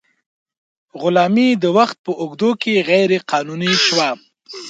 غلامي د وخت په اوږدو کې غیر قانوني شوه.